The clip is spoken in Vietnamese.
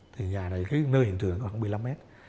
thì nhà này cái nơi hiện trường khoảng một mươi năm mét